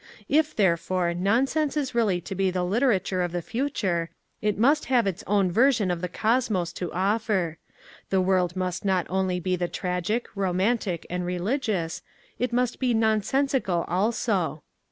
If, therefore, nonsense is really to be the literature of the future, it must have its own version of the Cosmos to offer; the world must not only be the tragic, romantic, and religious, it must be nonsensical also.